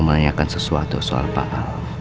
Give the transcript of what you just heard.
menanyakan sesuatu soal pak a